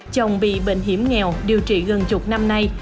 chồng bị bệnh hiểm nghèo điều trị gần chục năm nay